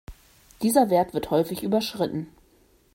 Dieser Wert wird häufig überschritten.